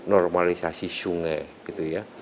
normalisasi sungai gitu ya